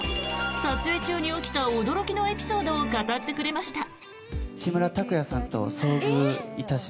撮影中に起きた驚きのエピソードを語ってくれました。